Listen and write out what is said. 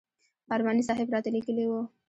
ارماني صاحب راته لیکلي و.